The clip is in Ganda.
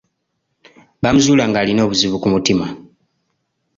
Baamuzuula ng'alina obuzibu ku mutima.